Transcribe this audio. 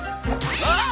うわ！